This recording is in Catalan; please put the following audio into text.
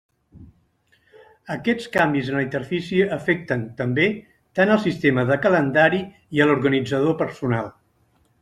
Aquests canvis en la interfície afecten, també, tant al sistema de calendari i a l'organitzador personal.